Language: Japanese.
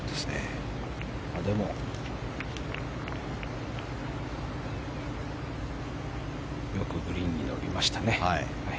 でも、よくグリーンに乗りましたね。